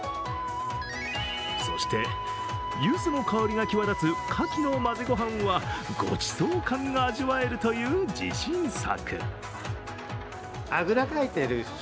そして、ゆずの香りが際立つかきの混ぜご飯はごちそう感が味わえるという自信作。